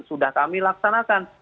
sudah kami laksanakan